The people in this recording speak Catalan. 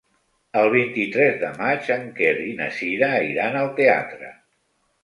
El vint-i-tres de maig en Quer i na Cira iran al teatre.